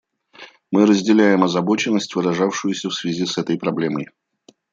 Мы разделяем озабоченность, выражавшуюся в связи с этой проблемой.